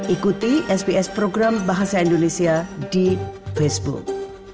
ikuti sps program bahasa indonesia di facebook